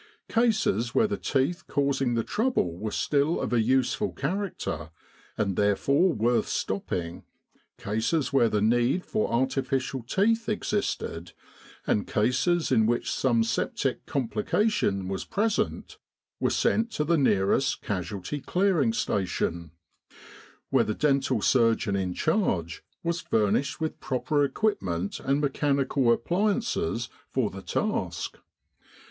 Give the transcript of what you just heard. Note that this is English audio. Cases where the teeth causing the trouble were still of a useful character, and therefore worth stopping, cases where the need for artificial teeth existed, and cases in which some septic complication was present, were sent to the nearest Casualty Clearing Station, where the 203 With the R.A.M.C. in Egypt dental surgeon in charge was furnished with proper equipment and mechanical appliances for the task.